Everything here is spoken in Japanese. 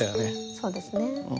そうですね。